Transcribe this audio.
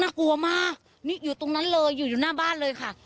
น่ากลัวมากอยู่ตรงนั้นเลยอยู่หน้าบ้านเลยค่ะ